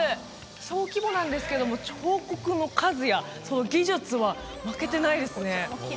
小規模なんですけども彫刻の数やその技術は負けてないですね